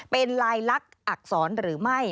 เป็นลายลักษณ์อักษรหรือไม่